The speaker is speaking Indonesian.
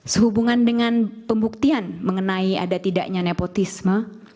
sehubungan dengan pembuktian mengenai ada tidaknya nepotisme